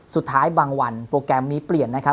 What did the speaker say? สุดท้ายบางวันโปรแกรมมีเปลี่ยนนะครับ